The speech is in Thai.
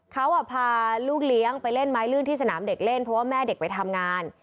เขาพาลูกเลี้ยงไปเล่นไม้ลื่นที่สนามเด็กเล่นเพราะว่าแม่เด็กไปทำงาน